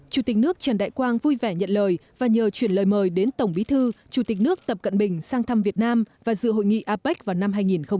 chủ tịch nước trần đại quang vui vẻ nhận lời và nhờ chuyển lời mời đến tổng bí thư chủ tịch nước tập cận bình sang thăm việt nam và dự hội nghị apec vào năm hai nghìn hai mươi